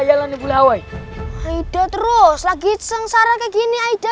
yalan di pulau hawaii aida terus lagi sengsara kayak gini aida